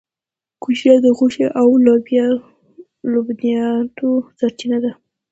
کوچیان د غوښې او لبنیاتو سرچینه ده